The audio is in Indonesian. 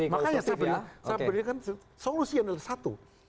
makanya saya berikan solusi yang adalah satu